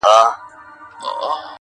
که د جانان د سيوري لرې لاړم